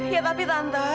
ya tapi tante